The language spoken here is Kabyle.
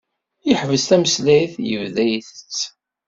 Yeḥbes tameslayt, yebda itett.